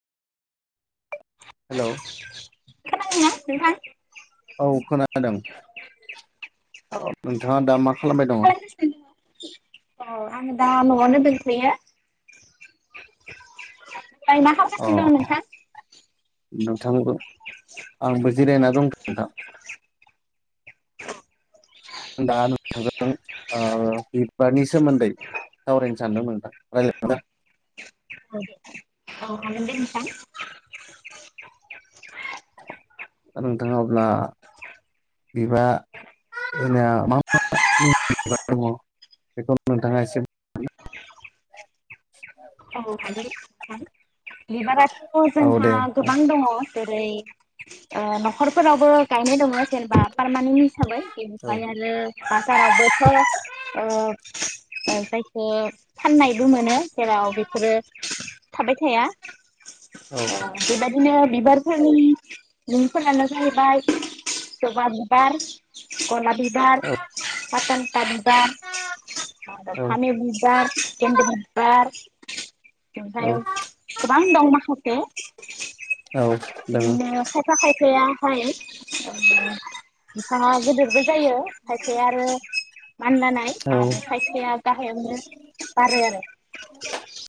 Hello. खोनादोंना नोंथां। औ खोनादों। औ। अ नोंथाङा दा मा खालामबाय दङ औ आंङो दा न'आवनो दंथ'यो। ओइ मा खालामगासिनो दङ नोंथां? नोंथां आंबो जिरायना दं नोंथां। दा नोंथांजों बिबारनि सोमोन्दै सावरायनो सानदों नोंथां रायलाय [unintelligible] औ हागोन दे नोंथां। दा नोंथाङा अब्ला बिबा [inaudible] जनिया मा मा बिबार दङ बेखौ नोंथाङा एसे [inaudible] औ हागोन [unintelligible] बिबाराथ' औ जोंहा दे औ गोबां दङ। जेरै न'खरफोरबो ओ गायनाय दङ। जेनेबा पारमानेन्ट हिसाबै औ बेनिफ्राय आरो बाजारावबोथ' ओ ओ जायखो फाननायबो मोनो जेराव बे फोरो थाबाय थाया। अ बेबादिनो बिबारफोरनि मुंफोरानो जाहैबाय जबा बिबार, गलाबि बिबार, औ काटन्टा बिबार, औ फामि बिबार, [unintelligible] बिबार। औ आमफ्राय गोबां दंम [unintelligible] औ दङ। थाखाय थाया आरो। उम ह [inaudible] गोद जायो खायसे आरो। मानलानाय औ आरो खायसेया गाहायावनो बारो आरो।